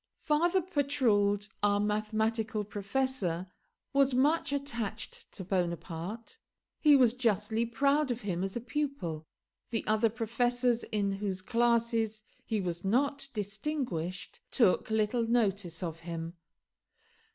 Father Patrauld, our mathematical professor, was much attached to Bonaparte. He was justly proud of him as a pupil. The other professors, in whose classes he was not distinguished, took little notice of him.